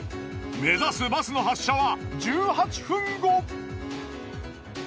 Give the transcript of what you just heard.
目指すバスの発車は１８分後。